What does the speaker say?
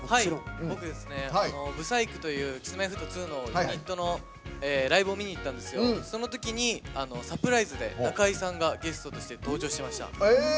僕、舞祭組というＫｉｓ‐Ｍｙ‐Ｆｔ２のユニットのライブを見に行ったんですがそのときにサプライズで中居さんがゲストとして登場してました。